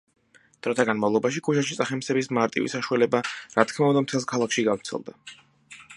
დროთა განმავლობაში, ქუჩაში წახემსების მარტივი საშუალება, რა თქმა უნდა, მთელს ქალაქში გავრცელდა.